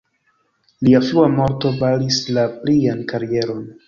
Lia frua morto baris la plian karieron.